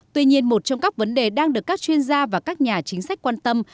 tuy nhiên một trong các vấn đề đang được các chuyên gia và các nhà chính sách quan tâm